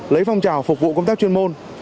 lấy phong trào phục vụ công tác chuyên môn